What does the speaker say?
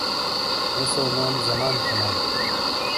جوسو نوم زمان تھینالے